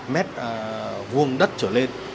mét vuông đất trở lên